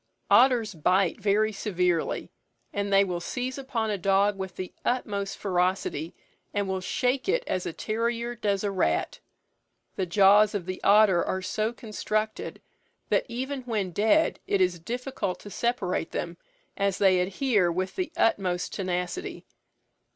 Otters bite very severely, and they will seize upon a dog with the utmost ferocity, and will shake it as a terrier does a rat. The jaws of the otter are so constructed, that even when dead it is difficult to separate them, as they adhere with the utmost tenacity.